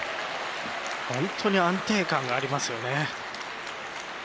本当に安定感がありますね。